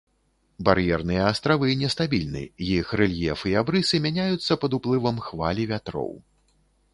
Бар'ерныя астравы не стабільны, іх рэльеф і абрысы мяняюцца пад уплывам хваль і вятроў.